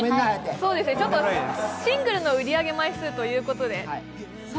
シングルの売り上げ枚数ということで。